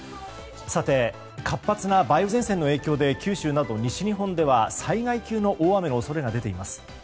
さて、活発な梅雨前線の影響で九州など西日本では災害級の大雨の恐れが出ています。